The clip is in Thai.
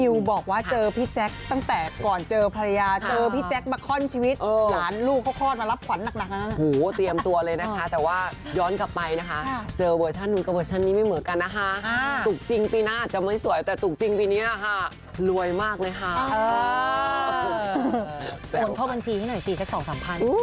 มากที่สุดแมคซีมาม๔ค่ะว้าวแมคซีมาม๔